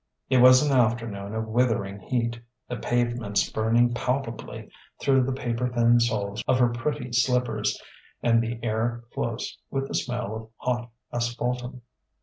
It was an afternoon of withering heat: the pavements burning palpably through the paper thin soles of her pretty slippers, and the air close with the smell of hot asphaltum.